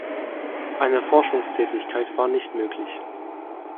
Eine Forschungstätigkeit war nicht möglich.